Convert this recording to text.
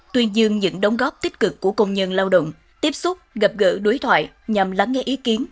tuyên dương những đóng góp tích cực của công nhân lao động tiếp xúc gặp gỡ đối thoại nhằm lắng nghe ý kiến